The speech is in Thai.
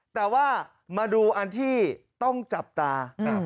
แต่ว่ามาดูอันที่ต้องจับตา